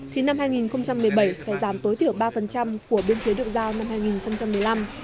thì năm hai nghìn một mươi bảy phải giảm tối thiểu ba của biên chế được giao năm hai nghìn một mươi năm